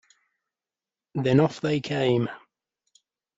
Then off they came.